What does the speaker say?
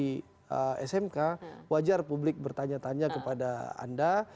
pada industri smk wajar publik bertanya tanya kepada anda